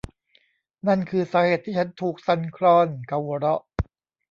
นั่นคือสาเหตุที่ฉันถูกสั่นคลอนเขาหัวเราะ